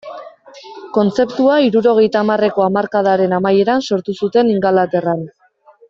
Kontzeptua hirurogeita hamarreko hamarkadaren amaieran sortu zuten Ingalaterran.